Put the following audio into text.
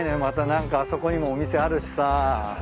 また何かあそこにもお店あるしさ。